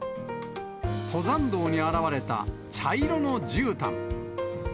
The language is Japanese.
登山道に現れた茶色のじゅうたん。